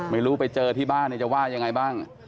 ไม่รู้ไปเจอที่บ้านจะว่ายังไงบ้าง